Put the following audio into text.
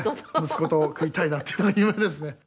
「息子と食いたいなっていうのが夢ですね」